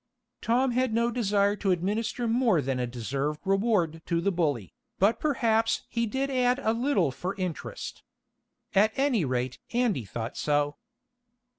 Tom had no desire to administer more than a deserved reward to the bully, but perhaps he did add a little for interest. At any rate Andy thought so.